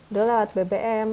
dulu lewat bbm